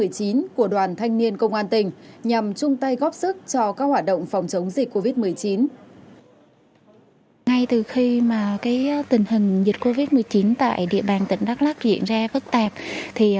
của đoàn thanh niên công an tỉnh nhằm chung tay góp sức cho các hoạt động phòng chống dịch covid một mươi chín